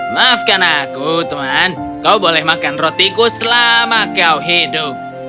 maafkan aku tuhan kau boleh makan rotiku selama kau hidup